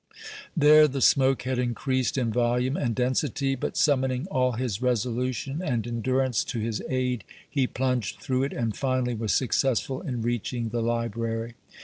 There the smoke had increased in volume and density, but, summoning all his resolution and endurance to his aid, he plunged through it, and finally was successful in reaching the library.